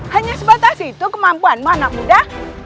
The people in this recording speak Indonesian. hanya sebatas itu kemampuanmu anak muda